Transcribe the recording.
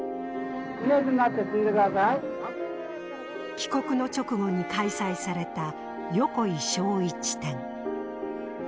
帰国の直後に開催された横井庄一展。